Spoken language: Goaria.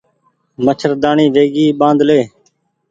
مڇهرداڻي ويگي ٻآڌلي